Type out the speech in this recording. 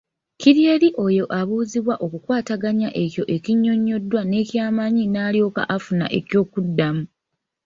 Kiri eri oyo abuuzibwa okukwataganya ekyo ekinnyonnyoddwa n’ekyamanyi n’alyoka afuna ekyokuddamu.